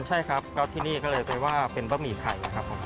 ใช่ครับก็ที่นี่ก็เลยไปว่าเป็นบะหมี่ไข่นะครับผม